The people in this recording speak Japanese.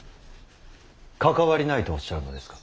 関わりないとおっしゃるのですか。